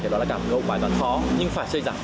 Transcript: thì đó là cảm ngộ bài toán khó nhưng phải xây dựng